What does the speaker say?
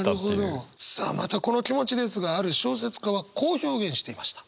さあまたこの気持ちですがある小説家はこう表現していました。